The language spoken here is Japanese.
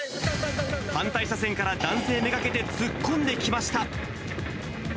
反対車線から男性目がけて突っ込んできました。